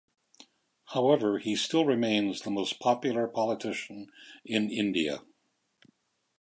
However he still remains the most popular politician in India.